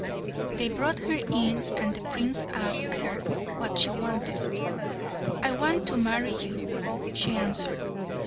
They brought her in and the prince asked her what she wanted. "I want to marry you," she answered.